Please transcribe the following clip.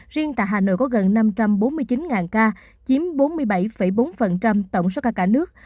riêng tại hà nội có gần năm trăm bốn mươi chín ca chiếm bốn mươi bảy bốn tổng số ca cả nước